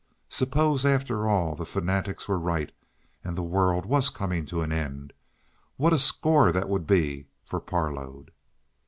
Suppose, after all, the fanatics were right, and the world was coming to an end! What a score that would be for Parload!